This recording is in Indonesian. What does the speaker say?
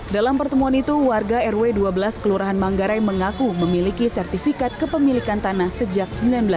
dalam pertemuan itu warga rw dua belas kelurahan manggarai mengaku memiliki sertifikat kepemilikan tanah sejak seribu sembilan ratus sembilan puluh